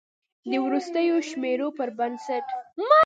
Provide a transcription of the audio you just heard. د وروستیو شمیرو پر بنسټ